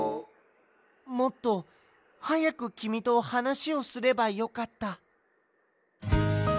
もっとはやくきみとはなしをすればよかった。